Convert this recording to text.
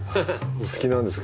お好きなんですか？